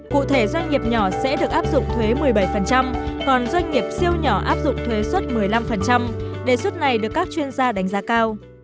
cụ thể doanh nghiệp nhỏ sẽ được áp dụng thuế một mươi bảy còn doanh nghiệp siêu nhỏ áp dụng thuế xuất một mươi năm đề xuất này được các chuyên gia đánh giá cao